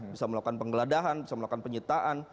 bisa melakukan penggeledahan bisa melakukan penyitaan